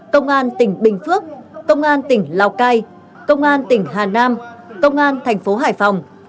công an tỉnh bình phước công an tỉnh lào cai công an tỉnh hà nam công an thành phố hải phòng